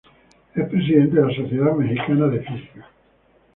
Es presidente de la Sociedad Mexicana de Física.